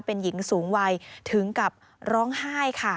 เป็นหญิงสูงวัยถึงกับร้องไห้ค่ะ